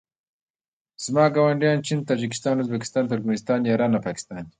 زما ګاونډیان چین تاجکستان ازبکستان ترکنستان ایران او پاکستان دي